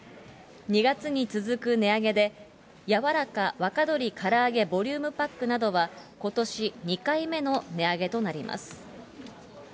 ２月に続く値上げで、やわらかわかどりからあげボリュームパックなどは、ことし２回目の値上げとなります。